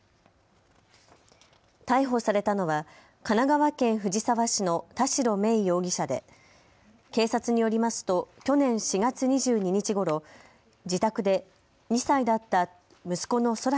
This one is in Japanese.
逮捕されたのは神奈川県藤沢市の田代芽衣容疑者で警察によりますと去年４月２２日ごろ、自宅で２歳だった息子の空来